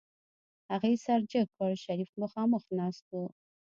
هغې سر جګ کړ شريف مخاخ ناست و.